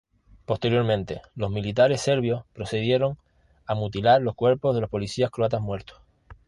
Posteriormente, los militares serbios procedieron a mutilar los cuerpos de los policías croatas muertos.